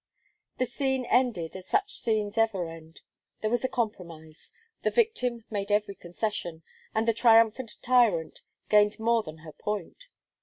The scene ended as such scenes ever end. There was a compromise; the victim made every concession, and the triumphant tyrant gained more than her point.